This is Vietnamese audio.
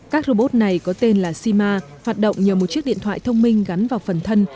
các robot này có tên là cima hoạt động nhờ một chiếc điện thoại thông minh gắn vào phần thân